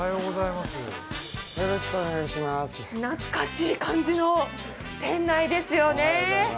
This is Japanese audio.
懐かしい感じの店内ですよね。